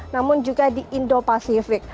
namun juga di indo pasifik